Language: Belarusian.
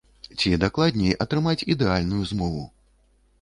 Ці, дакладней, атрымаць ідэальную змову.